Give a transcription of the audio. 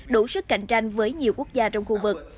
đủ sức cạnh tranh với nhiều quốc gia trong khu vực